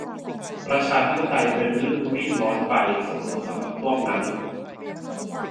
ประชาธิปไตยเป็นเรื่องรีบร้อนไปเสมอสำหรับพวกนั้น